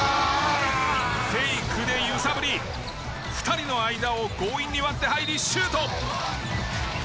フェイクで揺さぶり２人の間を強引に割って入りシュート！